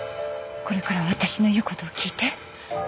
これから私の言う事を聞いて。